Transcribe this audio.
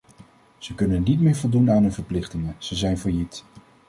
Ze kunnen niet meer voldoen aan hun verplichtingen, ze zijn failliet.